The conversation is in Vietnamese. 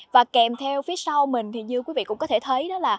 và kèm theo phía sau mình thì như quý vị cũng có thể thấy